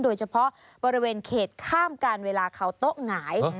โดยเฉพาะบริเวณเขตข้ามการเวลาเขาโต๊ะหงาย